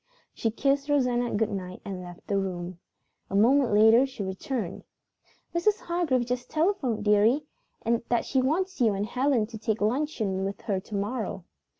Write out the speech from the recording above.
She kissed Rosanna good night and left the room. A moment later she returned. "Mrs. Hargrave just telephoned, dearie, that she wants you and Helen to take luncheon with her to morrow."